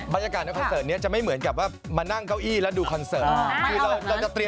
บรรยากาศในคอนเสิร์ตนี้จะไม่เหมือนกับว่ามานั่งเก้าอี้แล้วดูคอนเสิร์ต